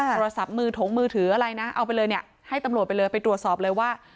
โทรศัพท์มือถงมือถืออะไรนะเอาไปเลยเนี่ยให้ตำรวจไปเลยไปตรวจสอบเลยว่า